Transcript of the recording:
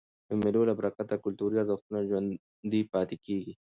د مېلو له برکته کلتوري ارزښتونه ژوندي پاته کېږي.